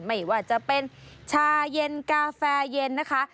ไม่ว่าจะเป็นชาเย็นกาแฟเย็นนะคะ